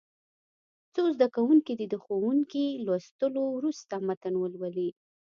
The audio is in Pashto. څو زده کوونکي دې د ښوونکي لوستلو وروسته متن ولولي.